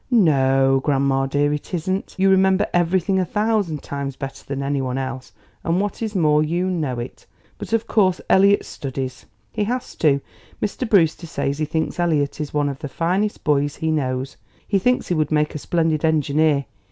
"No, grandma dear; it isn't. You remember everything a thousand times better than any one else, and what is more, you know it. But of course Elliot studies; he has to. Mr. Brewster says he thinks Elliot is one of the finest boys he knows. He thinks he would make a splendid engineer.